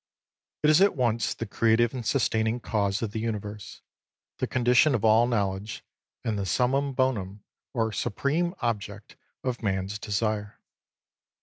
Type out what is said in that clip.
"* It is at once the creative and sustaining Cause of the Universe, the condition of all knowledge, and the Summum Bonum or supreme object of man's desire.